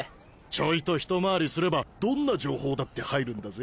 ちょいとひと回りすればどんな情報だって入るんだぜ。